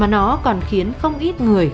mà nó còn khiến không ít người